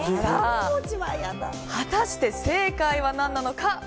果たして、正解は何なのか。